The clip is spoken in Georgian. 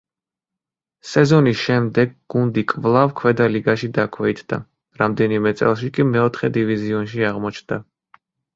სეზონის შემდეგ გუნდი კვლავ ქვედა ლიგაში დაქვეითდა, რამდენიმე წელში კი მეოთხე დივიზიონში აღმოჩნდა.